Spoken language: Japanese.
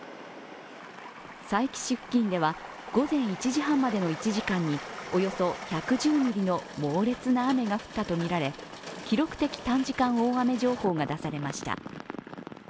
佐伯市付近では午前１時半までの１時間におよそ１１０ミリの猛烈な雨が降ったとみられ記録的短時間大雨情報が出されました。